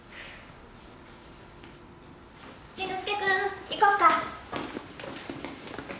・淳之介君行こうか。